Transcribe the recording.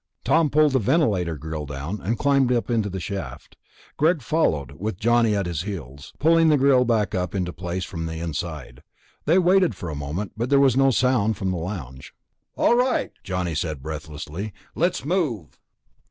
Tom pulled the ventilator grill down, and climbed up into the shaft. Greg followed, with Johnny at his heels, pulling the grill back up into place from the inside. They waited for a moment, but there was no sound from the lounge. "All right," Johnny said breathlessly. "Let's move."